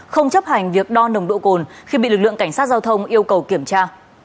không chấp hành việc đo nồng độ cồn khi bị lực lượng cảnh sát giao thông yêu cầu kiểm tra